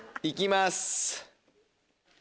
行きます。